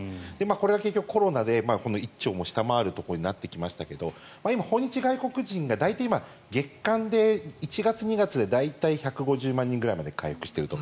これが結局コロナで１兆も下回るところになってきましたが今、訪日外国人が大体、月間で１月、２月で大体１５０万人ぐらいまで回復していると。